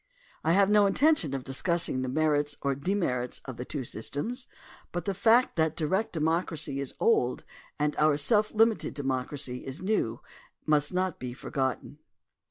I have no intention of dis cussing the merits or demerits of the two systems, but the fact that direct democracy is old and our self limited democracy is new must not be forgotten.